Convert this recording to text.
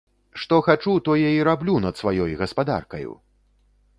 Што хачу, тое і раблю над сваёй гаспадаркаю!